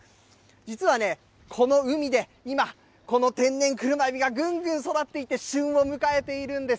実はね、この海で、今、この天然車えびがぐんぐん育っていて、旬を迎えているんです。